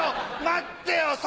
待ってよ！